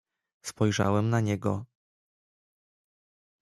"Spojrzałem na niego."